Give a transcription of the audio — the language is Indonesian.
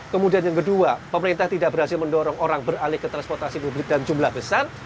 kemudian yang kedua pemerintah tidak berhasil mendorong orang beralih ke transportasi publik dalam jumlah besar